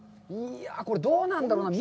これ、どうなんだろうなぁ。